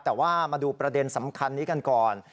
แต่ว่ามาดูประเด็นสำคัญนี้กันก่อน